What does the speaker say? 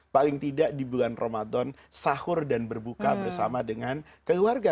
paling tidak di bulan ramadan sahur dan berbuka bersama dengan keluarga